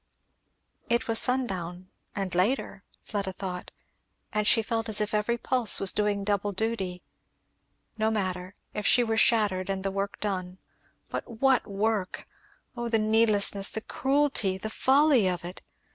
It was sundown, and later, Fleda thought, and she felt as if every pulse was doing double duty. No matter if she were shattered and the work done. But what work! Oh the needlessness, the cruelty, the folly of it!